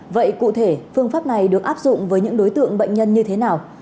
vậy cụ thể phương pháp này được áp dụng với những đối tượng bệnh nhân như thế nào